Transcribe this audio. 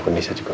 aku bisa juga